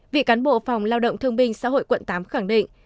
vị cán bộ phòng lao động thương binh xã hội quận tám khẳng định